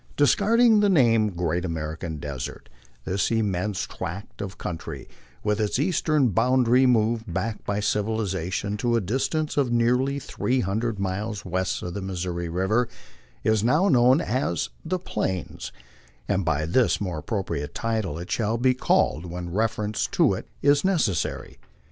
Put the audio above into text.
Discarding the name " Great American Desert," this immense tract of coun try, with its eastern boundary moved back by civilization to a distance of nearly three hundred miles west of the Missouri river, is now known as " The Plains," and by this more appropriate title it shall be called when reference to it is necessary.